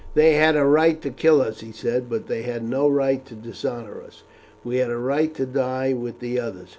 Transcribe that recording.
"They had a right to kill us," he said, "but they had no right to dishonour us. We had a right to die with the others.